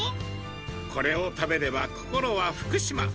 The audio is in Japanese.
これを食べれば心は福島。